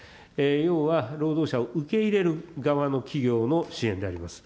要は、労働者を受け入れる側の企業の支援であります。